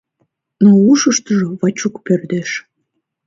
Но ушыштыжо Вачук пӧрдеш.